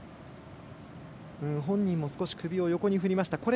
本人も少し首を横に振りました。